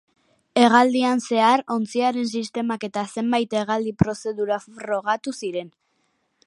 Hegaldian zehar ontziaren sistemak eta zenbait hegaldi prozedura frogatu ziren.